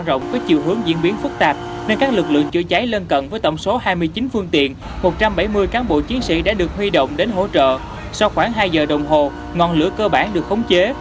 trong khoảng hai giờ đồng hồ ngọn lửa cơ bản được khống chế